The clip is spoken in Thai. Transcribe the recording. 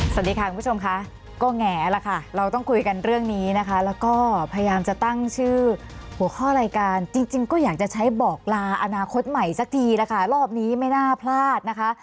สวัสดีค่ะคุณผู้ชมค่ะก็แง่แล้วค่ะเราต้องคุยกันเรื่องนี้นะคะแล้วก็พยายามจะตั้งชื่อหัวข้อรายการจริงก็อยากจะใช้บอกลาอนาคตใหม่สักทีนะคะรอบนี้ไม่น่าพลาดนะคะ